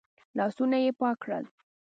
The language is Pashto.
لاسونه يې پاک کړل.